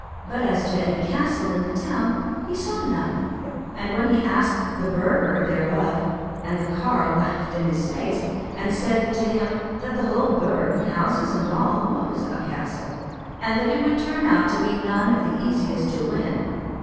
But as to any castle in the town, he saw none; and when he asked a burgher thereof, the carle laughed in his face, and said to him that the whole Burg, houses and all, was a castle, and that it would turn out to be none of the easiest to win.